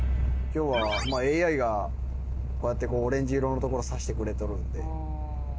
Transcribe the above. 今日はＡＩがこうやってオレンジ色の所指してくれとるんで。